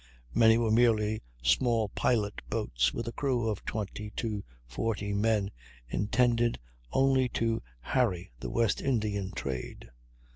Many were merely small pilot boats with a crew of 20 to 40 men, intended only to harry the West Indian trade.